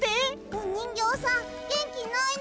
おにんぎょうさんげんきないの。